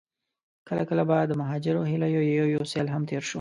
کله کله به د مهاجرو هيليو يو يو سيل هم تېر شو.